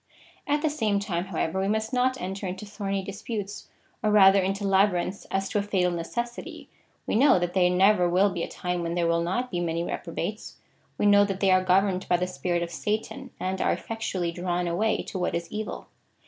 At the same time, however, we must not enter into thorny disputes, or rather into labyrinths as to a fatal necessity. We know that there never will be a time when there will not be many reprobates. We know that they are governed by the spirit of Satan, and are eifec tually drawn away to what is evil.